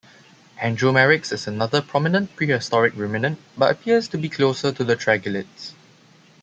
"Andromeryx" is another prominent prehistoric ruminant, but appears to be closer to the tragulids.